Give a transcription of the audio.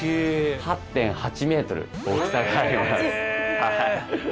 ８．８ｍ大きさがあります。